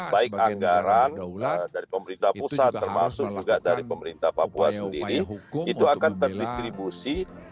baik anggaran dari pemerintah pusat termasuk juga dari pemerintah papua sendiri itu akan terdistribusi